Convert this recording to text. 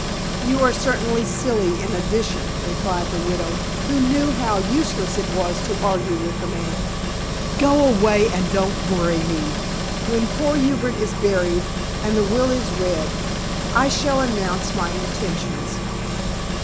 "You are certainly silly in addition," replied the widow, who knew how useless it was to argue with the man. "Go away and don't worry me. When poor Hubert is buried, and the will is read, I shall announce my intentions."